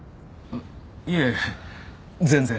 いえ全然。